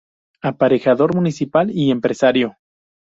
Aparejador municipal y empresario.